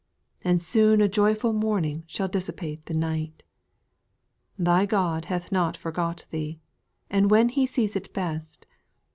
And soon a joyful morning shall dissipate the night. 7. Thy God hath not forgot thee, and when He sees it best.